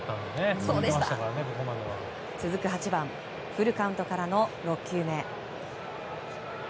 続く８番、フルカウントからの６球目。